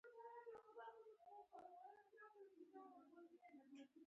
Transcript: ته پکې څه مه وايه